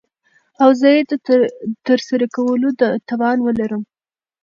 او زه يې دترسره کولو توان وه لرم .